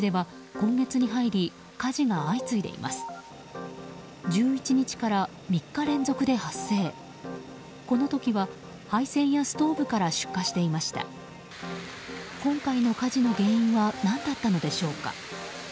今回の火事の原因は何だったのでしょうか。